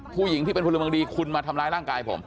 ผู้หญิงที่เป็นพลเมืองดีคุณมาทำร้ายร่างกายผม